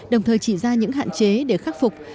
đồng thời chỉ ra những hạn chế để khắc phục